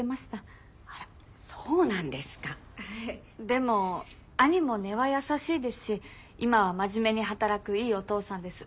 でも兄も根は優しいですし今は真面目に働くいいお父さんです。